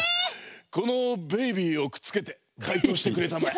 このベイビーをくっつけて解答してくれたまえ。